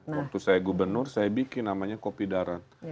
waktu saya gubernur saya bikin namanya kopi darat